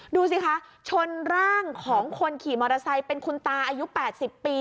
ดูสิคะชนร่างของคนขี่มอเตอร์ไซค์เป็นคุณตาอายุ๘๐ปี